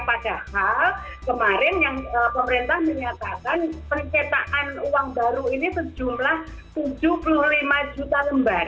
padahal kemarin yang pemerintah menyatakan pencetaan uang baru ini sejumlah tujuh puluh lima juta lembar